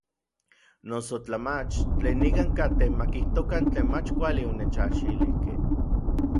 Noso tla mach, tlen nikan katej ma kijtokan tlen mach kuali onechajxilijkej.